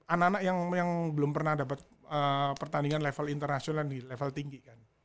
anak anak yang belum pernah dapat pertandingan level internasional di level tinggi kan